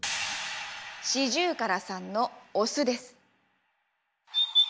シジュウカラさんのオスです。